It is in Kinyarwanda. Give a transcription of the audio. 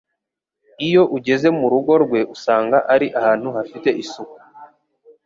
Iyo ugeze mu rugo rwe usanga ari ahantu hafite isuku